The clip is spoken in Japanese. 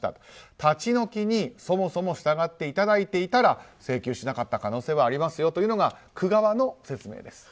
立ち退きにそもそも従っていただいていたら請求しなかった可能性はありますよというのが区側の説明です。